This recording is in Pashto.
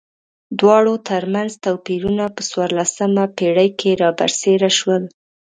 دواړو ترمنځ توپیرونه په څوارلسمه پېړۍ کې را برسېره شول.